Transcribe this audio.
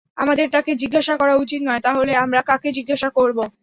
আমাদের তাকে জিজ্ঞাসা করা উচিত নয় - তাহলে, আমরা কাকে জিজ্ঞাসা করব?